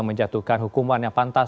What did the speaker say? menjatuhkan hukuman yang pantas